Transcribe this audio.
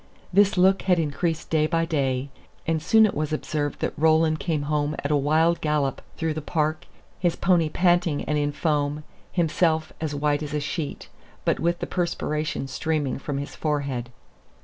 This look had increased day by day: and soon it was observed that Roland came home at a wild gallop through the park, his pony panting and in foam, himself "as white as a sheet," but with the perspiration streaming from his forehead.